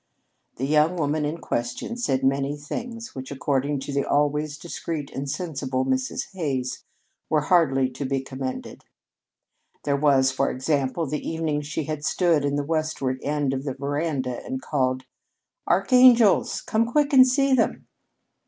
The young woman in question said many things which, according to the always discreet and sensible Mrs. Hays, were hardly to be commended. There was, for example, the evening she had stood in the westward end of the veranda and called: "Archangels! Come quick and see them!"